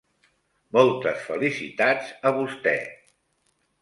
Moltes felicitats a vostè.